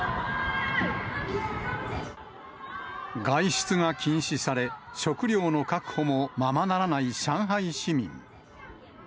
外出が禁止され、食料の確保もままならない上海市民。